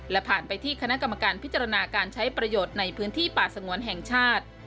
และผ่านไปที่คณะกรรมการพิจารณาการใช้ประโยชน์ในพื้นที่ป่าสงวนแห่งชาติ